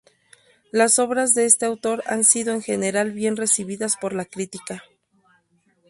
Las obras de este autor han sido en general bien recibidas por la crítica.